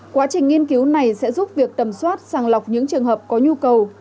quá trình nghiên cứu này sẽ giúp việc tầm soát sàng lọc những trường hợp có nhu cầu